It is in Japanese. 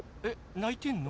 ないてんの？